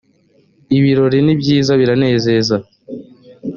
ibirori nibyiza biranezeza.